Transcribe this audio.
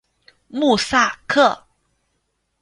穆萨克。